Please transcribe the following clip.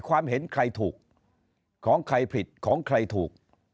ความเห็นใครถูกของใครผิดของใครถูก